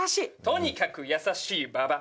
とにかく優しい馬場。